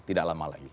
tidak lama lagi